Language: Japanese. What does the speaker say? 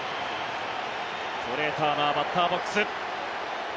トレー・ターナーバッターボックス。